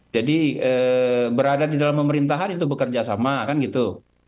jadi berada di dalam pemerintahan itu bekerjasama kan gitu